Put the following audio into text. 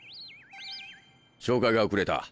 紹介が遅れた。